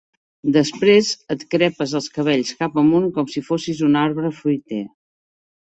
Després et crepes els cabells, cap amunt, com si fossis un arbre fruiter.